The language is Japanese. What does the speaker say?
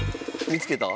見つけた？